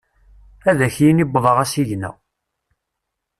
Ad ak-yini wwḍeɣ asigna.